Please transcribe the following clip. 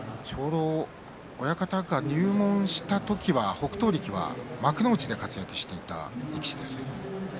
親方が入門した時は北勝力が幕内で活躍していた力士です。